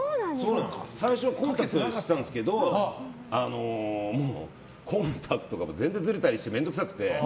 最初コンタクトにしてたんですけどもコンタクトが全然ずれたりして面倒くさくて。